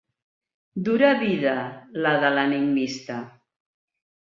Dura vida, la de l'enigmista.